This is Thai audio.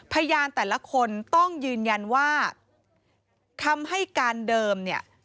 พยานแต่ละคนต้องยืนยันว่าคำให้การเดิมเนี่ย